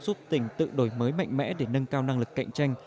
giúp tỉnh tự đổi mới mạnh mẽ để nâng cao năng lực cạnh tranh